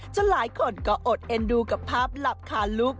หลายคนก็อดเอ็นดูกับภาพหลับคาลุก